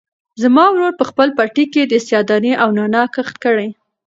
زما ورور په خپل پټي کې د سیاه دانې او نعناع کښت کړی.